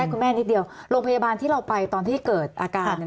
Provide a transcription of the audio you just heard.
คุณแม่นิดเดียวโรงพยาบาลที่เราไปตอนที่เกิดอาการเนี่ย